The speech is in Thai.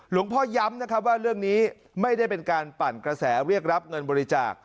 พ่อย้ำนะครับว่าเรื่องนี้ไม่ได้เป็นการปั่นกระแสเรียกรับเงินบริจาค